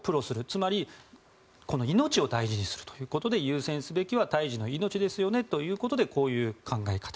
つまり命を大事にするということで優先すべきは胎児の命ですよねということでこういう考え方。